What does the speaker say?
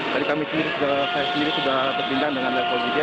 jadi kami sendiri saya sendiri sudah berbincang dengan letgo widya